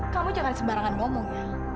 kamu jangan sembarangan ngomong